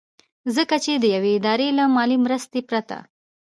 ځکه چې د يوې ادارې له مالي مرستې پرته